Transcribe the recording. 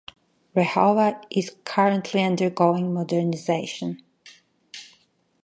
Rahova is currently undergoing modernization.